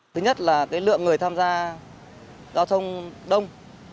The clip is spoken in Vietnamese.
thứ nhất là lượng người tham gia giao thông đông